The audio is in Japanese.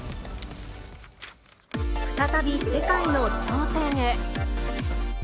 再び世界の頂点へ。